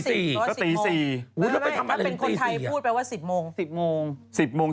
ถ้าเป็นคนไทยพูดแปลว่า๑๐โมง